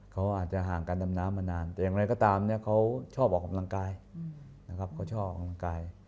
เขาอาจจะห่างกันดำน้ำมานานแต่อย่างไรก็ตามเขาชอบออกกำลังกาย